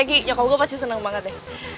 thanks ya ki nyokap gue pasti seneng banget ya